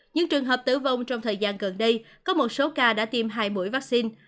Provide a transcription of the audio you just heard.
những trường hợp tử vong trong thời gian gần đây có một số ca đã tiêm hai mũi vaccine